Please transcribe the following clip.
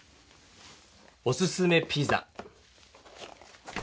おすすめピザ。